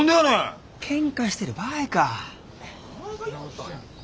ケンカしてる場合か。